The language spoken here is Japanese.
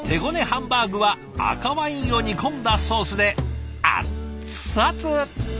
ハンバーグは赤ワインを煮込んだソースでアッツアツ。